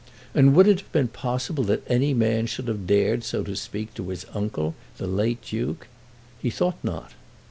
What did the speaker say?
And would it have been possible that any man should have dared so to speak to his uncle, the late Duke? He thought not.